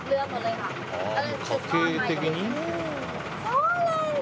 そうなんだ！